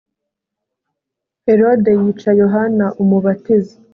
herode yica yohana umubatiza